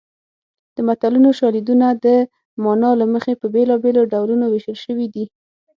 د متلونو شالیدونه د مانا له مخې په بېلابېلو ډولونو ویشل شوي دي